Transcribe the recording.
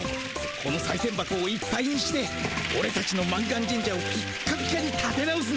このさいせん箱をいっぱいにしてオレたちの満願神社をピッカピカにたて直すんだ。